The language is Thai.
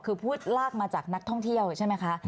คือพูดลากมาจากนักท่องเที่ยวใช่ไหมคะ